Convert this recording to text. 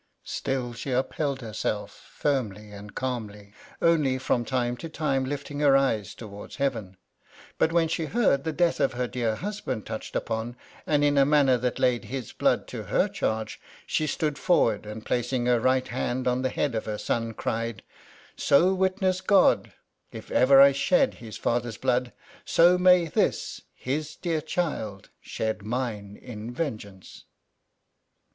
Still she upheld lierself, firmly and calmly, only from time to time lifting her eyes towards heaven ; but when she heard the death of her dear husband touched upon, and in a manner that laid his blood to her charge, she stood forward, and placing her right hand on the head of her son, cried :—" So witness God, if ever I shed his father's blood, so may this, his dear child, shed mine in vengeance."